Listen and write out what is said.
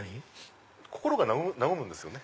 心が和むんですよね。